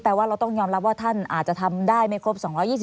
ว่าเราต้องยอมรับว่าท่านอาจจะทำได้ไม่ครบ๒๒๐